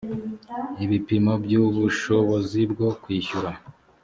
ibipimo by ubushobozi bwo kwishyura